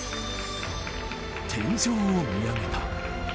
天井を見上げた。